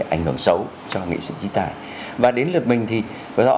ảnh hưởng xấu cho nghị sự trí tài và đến lượt mình thì có rõ